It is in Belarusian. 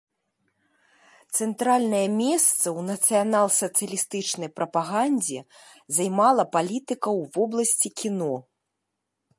Цэнтральнае месца ў нацыянал-сацыялістычнай прапагандзе займала палітыка ў вобласці кіно.